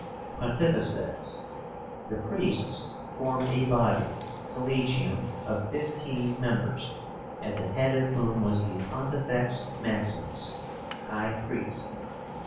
PONTIFICES. The priests formed a body (collegium) of fifteen members, at the head of whom was the Pontifex Maximus (high priest).